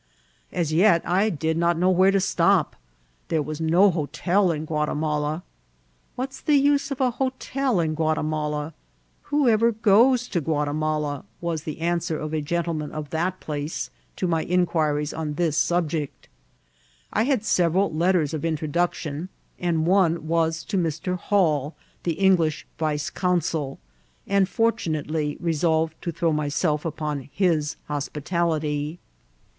As yet I did not know where to stop ; there was no ho tel in Ouatimala. What's the use of a hotel in Ouati mala ? Who ever goes to Guatimala ? was the answer of a gentleman of that place to my inquiries on this sub ject I had several letters of introduction, and one was to Mr. Hall, the English vice consul ; and, fortu nately, resolved to throw myself upon his hospitality.